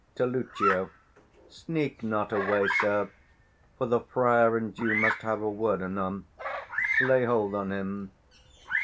355 [To Lucio] Sneak not away, sir; for the friar and you Must have a word anon. Lay hold on him.